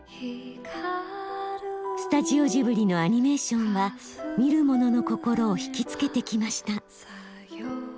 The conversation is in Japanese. スタジオジブリのアニメーションは見る者の心を惹きつけてきました。